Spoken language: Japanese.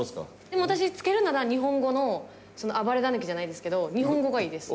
でも私付けるなら日本語の暴れ狸じゃないですけど日本語がいいです。